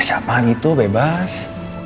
ya siapa gitu bebas